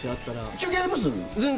中継やります？